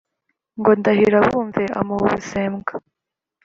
ngo ndahiro abumve amuha ubusembwa